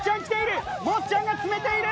もっちゃんが詰めている！